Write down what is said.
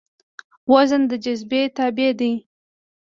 وزن د جاذبې تابع دی.